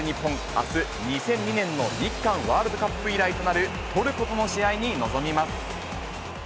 あす、２００２年の日韓ワールドカップ以来となるトルコとの試合に臨みます。